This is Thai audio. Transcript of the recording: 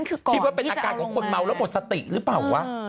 คิดว่าเป็นอาการของคนเมาแล้วหมดสติหรือเปล่าวะ